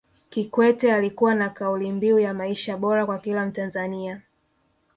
Kikwete alikuwa na kauli mbiu ya maisha bora kwa kila mtanzania